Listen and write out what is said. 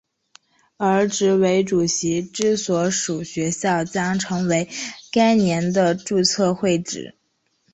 而执委主席之所属学校将成为该年的注册会址。